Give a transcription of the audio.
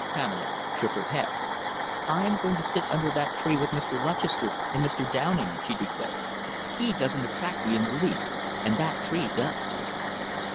Pamela shook her head. "I am going to sit under that tree with Mr. Lutchester and Mr. Downing," she declared. "Tea doesn't attract me in the least, and that tree does."